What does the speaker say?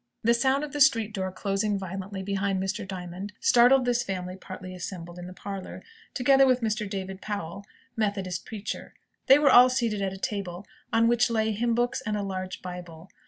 The sound of the street door closing violently behind Mr. Diamond, startled this family party assembled in the parlour, together with Mr. David Powell, Methodist preacher. They were all seated at a table, on which lay hymn books and a large bible.